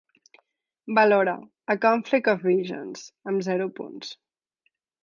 Valora "A conflict of visions" amb zero punts